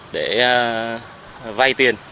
để vai tiền